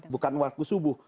bukan waktu subuh